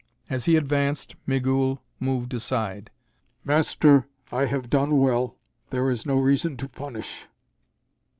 As he advanced, Migul moved aside. "Master, I have done well. There is no reason to punish."